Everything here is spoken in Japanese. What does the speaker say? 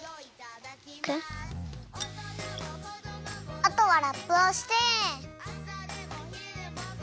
あとはラップをして。